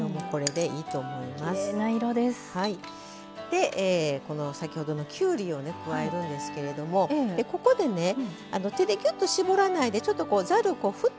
でこの先ほどのきゅうりをね加えるんですけれどもここでね手でぎゅっと絞らないでちょっとこうざるを振ってね。